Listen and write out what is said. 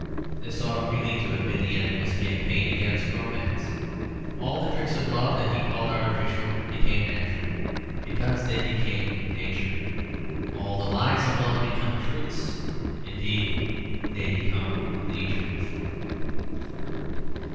This ought really to have been the end of his campaign against romance. All the tricks of love that he called artificial become natural; because they become Nature. All the lies of love become truths; indeed they become the Truth.